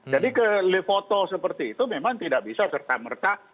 jadi kelepoto seperti itu memang tidak bisa serta merta